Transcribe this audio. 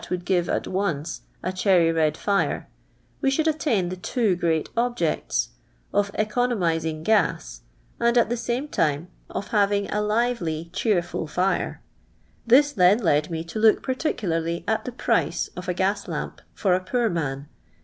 oild give at once a cherry red tire, we should attain the two ureat idijects of economising eas, and at the same time of having a lively cheenul lire. Then this b'd mo to look [•articularly atth« price of a giis lamp for a poor man.